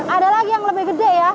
ada lagi yang lebih gede ya